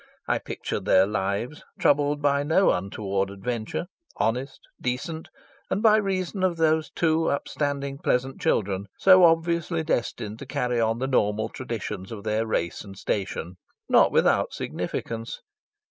I pictured their lives, troubled by no untoward adventure, honest, decent, and, by reason of those two upstanding, pleasant children, so obviously destined to carry on the normal traditions of their race and station, not without significance.